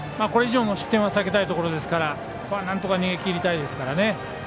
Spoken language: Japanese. これ以上の失点は避けたいところですからここはなんとか逃げきりたいですからね。